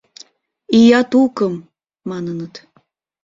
Ия тукым! — маныныт.